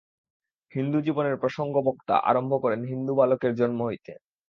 হিন্দু-জীবনের প্রসঙ্গ বক্তা আরম্ভ করেন হিন্দু-বালকের জন্ম হইতে।